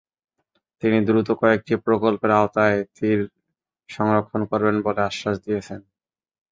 তিনি দ্রুত কয়েকটি প্রকল্পের আওতায় তীর সংরক্ষণ করবেন বলে আশ্বাস দিয়েছেন।